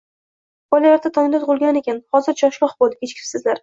- Bola erta tongda tug‘ilgan ekan, hozir choshgoh bo‘ldi, kechikibsizlar